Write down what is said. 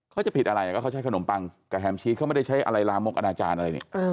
เขาจะผิดอะไรก็เขาใช้ขนมปังกับแฮมชีสเขาไม่ได้ใช้อะไรลามกอนาจารย์อะไรเนี่ย